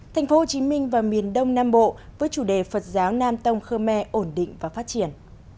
thành phố hồ chí minh và miền đông nam bộ với chủ đề phật giáo nam tông khơ me ổn định và phát triển